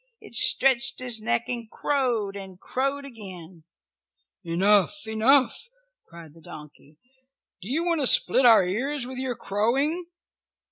It stretched its neck and crowed, and crowed again. "Enough! Enough!" cried the donkey. "Do you want to split our ears with your crowing?"